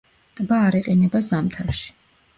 ტბა არ იყინება ზამთარში.